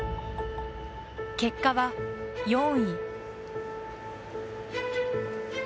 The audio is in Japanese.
結果は４位。